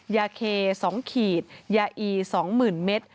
ยาเค๒ขีดยาอี๒๐๐๐เมตร